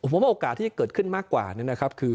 ผมว่าโอกาสที่เกิดขึ้นมากกว่านี้นะครับคือ